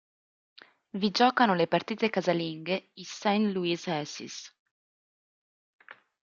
Vi giocano le partite casalinghe i St. Louis Aces.